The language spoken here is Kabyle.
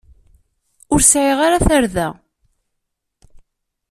Ur sɛiɣ ara tarda.